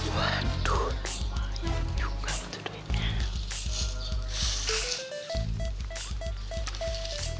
waduh rumahnya juga butuh duitnya